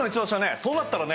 そうなったらね